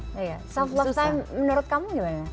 iya self love time menurut kamu gimana